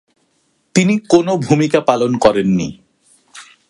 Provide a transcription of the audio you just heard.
তিনি কোনও ভূমিকা পালন করেননি।